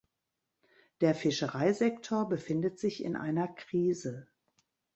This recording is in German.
Der Fischereisektor befindet sich in einer Krise.